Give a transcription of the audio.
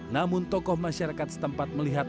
namun tokoh masyarakat setempat melihat